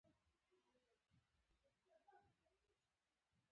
هغه هڅه کوله خپله خندا پټه کړي